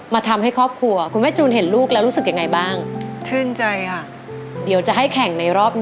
มาทำให้ครอบครัวคุณแม่จูนเห็นลูกแล้วรู้สึกยังไงบ้าง